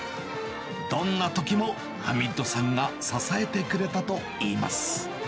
どんなときも、ハミッドさんが支えてくれたといいます。